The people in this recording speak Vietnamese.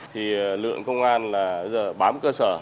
thì lượng công an bám cơ sở